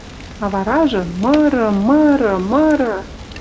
А варажы — мыры, мыры, мыры!